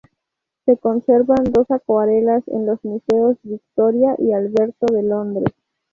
Se conservan dos acuarelas en los museos Victoria y Alberto de Londres.